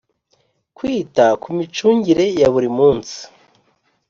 Kwita ku micungire ya buri munsi